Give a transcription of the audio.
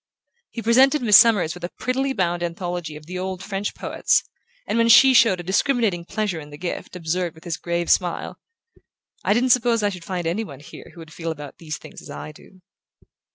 He presented Miss Summers with a prettily bound anthology of the old French poets and, when she showed a discriminating pleasure in the gift, observed with his grave smile: "I didn't suppose I should find any one here who would feel about these things as I do."